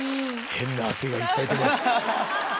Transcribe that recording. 変な汗がいっぱい出ました。